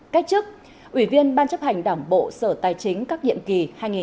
cách chức ủy viên ban chấp hành đảng bộ sở tài chính các nhiệm kỳ hai nghìn một mươi năm hai nghìn hai mươi